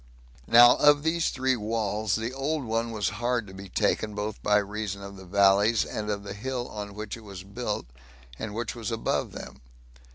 Now, of these three walls, the old one was hard to be taken, both by reason of the valleys, and of that hill on which it was built, and which was above them.